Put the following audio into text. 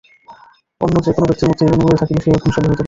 অন্য যে-কোন ব্যক্তির মধ্যে এই গুণগুলি থাকিলে সেও ধনশালী হইতে পারিবে।